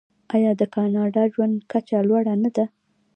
آیا د کاناډا ژوند کچه لوړه نه ده؟